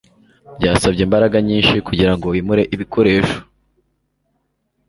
Byasabye imbaraga nyinshi kugirango wimure ibikoresho.